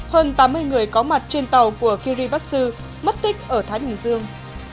hơn tám mươi người có mặt trên tàu của kiribass mất tích ở thái bình dương